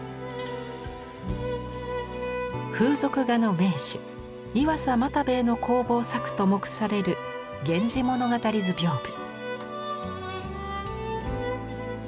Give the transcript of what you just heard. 風俗画の名手岩佐又兵衛の工房作と目される「源氏物語図屏風」。